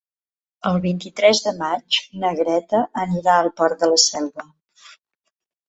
El vint-i-tres de maig na Greta anirà al Port de la Selva.